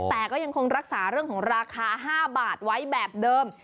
แต่ก็ยังคงรักษาเรื่องของราคา๕บาทไว้แบบเดิม